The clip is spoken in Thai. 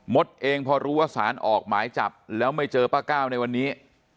ดเองพอรู้ว่าสารออกหมายจับแล้วไม่เจอป้าก้าวในวันนี้